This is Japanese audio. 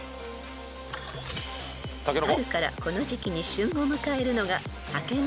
［春からこの時季に旬を迎えるのが］